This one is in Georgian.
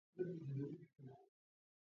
არაბთა წვლილი უდიდესი იყო მედიცინაშიც.